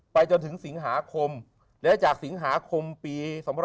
ไปจนถึงสิงหาคมหรือจากสิงหาคมปี๒๕๙